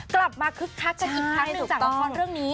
คึกคักกันอีกครั้งหนึ่งจากละครเรื่องนี้